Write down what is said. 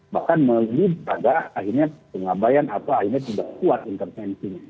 bahkan melibatkan akhirnya pengabayan atau akhirnya juga kuat intervensi